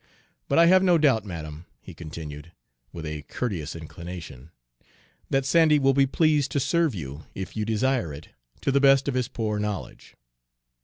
But I have no doubt, madam," he continued, with a courteous inclination, "that Sandy will be pleased to serve you, if you desire it, to the best of his poor knowledge."